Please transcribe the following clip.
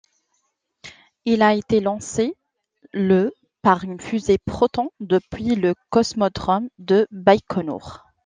Il a été lancé le par une fusée Proton depuis le cosmodrome de Baïkonour.